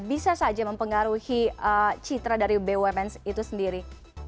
bisa saja mempengaruhi citra dari bumn itu sendiri